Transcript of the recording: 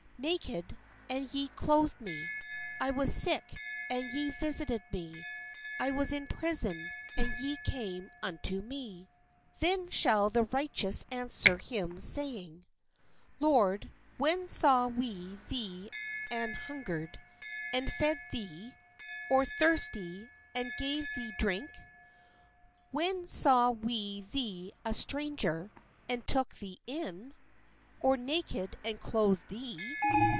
Naked, and ye clothed me : I was sick, and ye vis ited me: I was in prison, and ye came unto me." Then shall the righteous answer him, saying : "Lord, when saw we thee an hungered, and fed THE SHEEP AND THE GOATS thee drink? When saw ,. we thee a stranger, and took thee in ? or naked, and clothed thee?